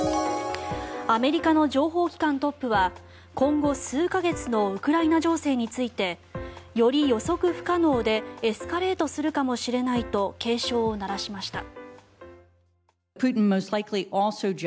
アメリカの情報機関トップは今後数か月のウクライナ情勢についてより予測不可能でエスカレートするかもしれないと警鐘を鳴らしました。